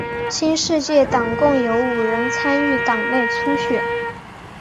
新世界党共有五人参与党内初选。